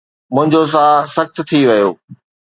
منهنجو ساهه سخت ٿي ويو